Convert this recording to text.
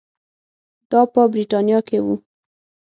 دا په برېټانیا کې وو.